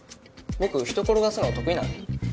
僕人転がすの得意なんで。